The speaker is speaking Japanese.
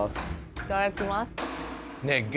いただきます。